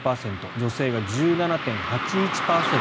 女性が１７．８１％。